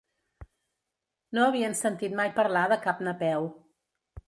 No havien sentit mai parlar de cap Napeu.